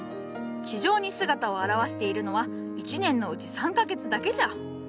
地上に姿を現しているのは一年のうち３か月だけじゃ。